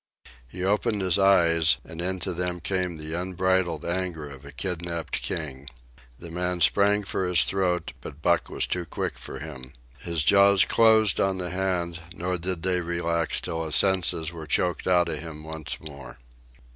He opened his eyes, and into them came the unbridled anger of a kidnapped king. The man sprang for his throat, but Buck was too quick for him. His jaws closed on the hand, nor did they relax till his senses were choked out of him once more.